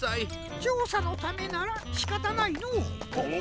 ちょうさのためならしかたないのう。